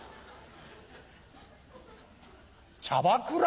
チャバクラ？